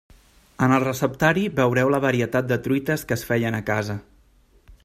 En el receptari veureu la varietat de truites que es feien a casa.